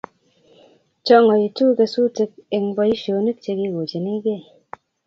Chongoitu kesutik eng boisionik chekikochinegei